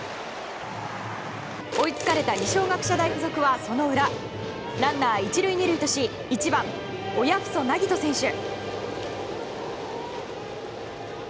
追いつかれた二松学舎大附属はその裏ランナー１塁２塁とし１番、親富祖凪人選手。